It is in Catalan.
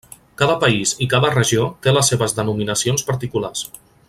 Cada país i cada regió té les seves denominacions particulars.